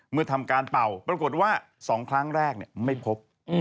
ทำการเป่าปรากฏว่า๒ครั้งแรกไม่พบ